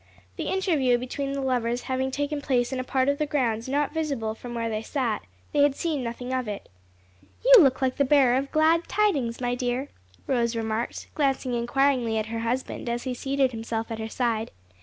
The interview between the lovers having taken place in a part of the grounds not visible from where they sat, they had seen nothing of it. "You look like the bearer of glad tidings, my dear," Rose remarked, glancing inquiringly at her husband as he seated himself at her side.